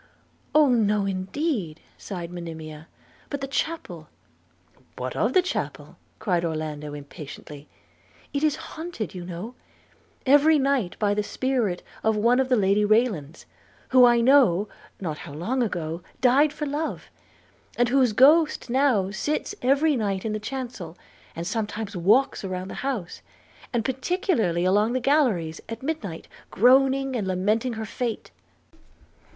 'Oh! no indeed,' sighed Monimia, 'but the chapel!' 'What of the chapel?' cried Orlando impatiently. 'It is haunted, you know, every night by the spirit of one of the Lady Raylands, who I know not how long ago died for love, and whose ghost now sits every night in the chancel, and sometimes walks round the house, and particularly along the galleries, at midnight, groaning and lamenting her fate.'